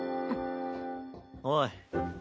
おい。